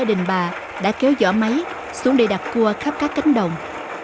gia đình bà đã kéo giỏ máy xuống để đặt cua khắp các cánh đồng